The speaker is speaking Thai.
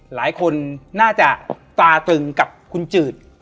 หลายคนน่าจะตาตึงกับคุณจืด